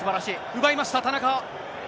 奪いました、田中。